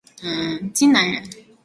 荆南人。